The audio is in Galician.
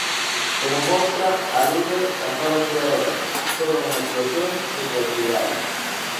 Como mostra, alude ás novas creadoras, toda unha eclosión de creatividade.